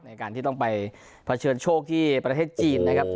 ในการที่ต้องไปเผชิญโชคที่ประเทศจีนนะครับ